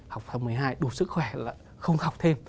học tháng một mươi hai đủ sức khỏe là không học thêm